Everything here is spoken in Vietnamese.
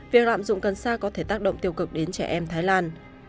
việc lạm dụng cần sa có thể tác động tiêu cực đến trẻ em thái lan